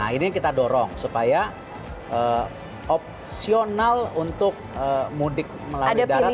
nah ini kita dorong supaya opsional untuk mudik melalui darat